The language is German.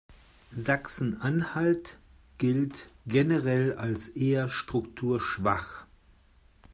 Sachsen-Anhalt gilt generell als eher strukturschwach.